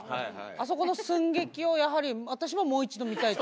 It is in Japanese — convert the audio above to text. あそこの寸劇をやはり私ももう一度見たい。